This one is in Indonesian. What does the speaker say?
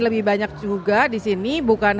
lebih banyak juga disini bukan